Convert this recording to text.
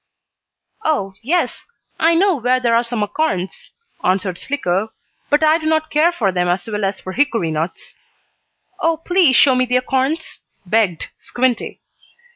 "Oh, yes, I know where there are some acorns," answered Slicko, "but I do not care for them as well as for hickory nuts." "Oh, please show me the acorns," begged Squinty.